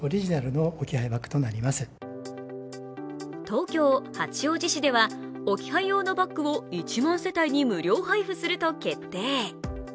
東京・八王子市では置き配用のバッグを１万世帯に無料配布すると決定。